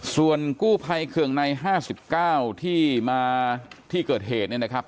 ส่วนกู้ภัยเคืองใน๕๙ที่มาที่เกิดเหตุเนี่ยนะครับ